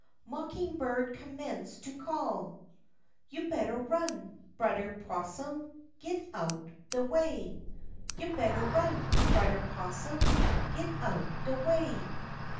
Mockin' bird commence to call, You better run, Brudder 'Possum, git out de way! You better run, Brudder 'Possum, git out de way!